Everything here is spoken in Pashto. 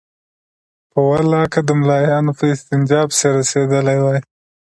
په والله که د ملايانو په استنجا پسې رسېدلي وای.